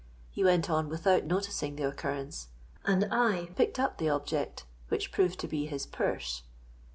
He went on without noticing the occurrence; and I picked up the object, which proved to be his purse.